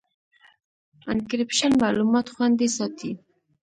انکریپشن معلومات خوندي ساتي.